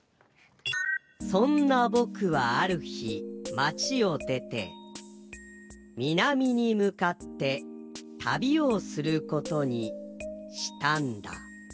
「そんなぼくはあるひ、まちをでてみなみにむかってたびをすることにしたんだ」。